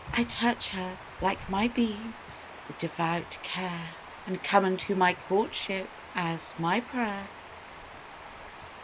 I touch her, like my beads, with devout care, And come unto my courtship as my prayer.